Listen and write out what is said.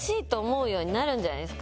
んじゃないですか？